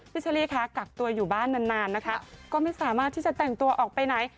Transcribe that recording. เชอรี่คะกักตัวอยู่บ้านนานนะคะก็ไม่สามารถที่จะแต่งตัวออกไปไหน